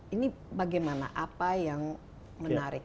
ini bagaimana apa yang menarik